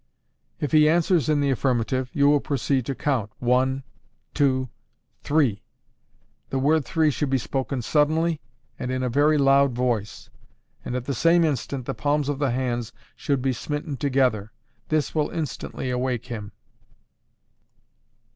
If he answers in the affirmative, you will proceed to count "one, TWO, THREE!" The word three should be spoken suddenly, and in a very loud voice, and at the same instant the palms of the hands should be smitten together. This will instantly awake him.